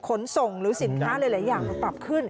ขนส่งหรือสินค้าหลายอย่างมันปรับขึ้น